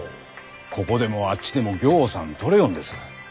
ここでもあっちでもぎょうさんとれよんです。